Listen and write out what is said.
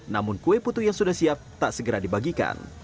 namun kue putu yang sudah siap tak segera dibagikan